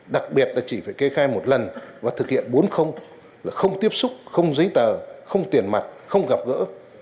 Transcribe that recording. đặc biệt là chỉ phải kê khai một lần và thực hiện bốn là không tiếp xúc không giấy tờ không tiền mặt không gặp gỡ